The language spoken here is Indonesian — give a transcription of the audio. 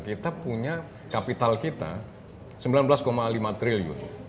kita punya kapital kita rp sembilan belas lima triliun